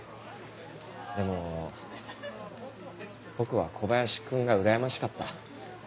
でも僕は小林君がうらやましかった。